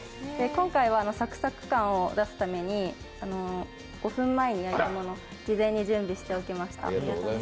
今回はサクサク感を出すために５分前に焼いたものを事前に準備しておきました。